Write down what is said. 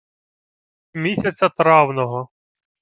Місяця травного